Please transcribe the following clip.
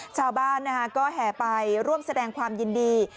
ชาวบ้านก็แห่ไปร่วมแสดงความยินดี